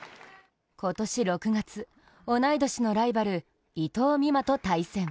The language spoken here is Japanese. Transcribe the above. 今年６月、同い年のライバル・伊藤美誠と対戦。